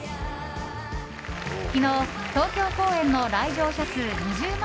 昨日、東京公演の来場者数２０万